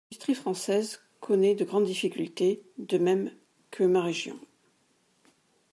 L’industrie française connaît de grandes difficultés, de même que ma région.